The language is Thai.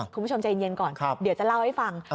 คุณผู้ชมใจเย็นก่อนเดี๋ยวจะเล่าให้ฟัง